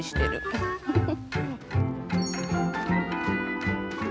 フフフフ。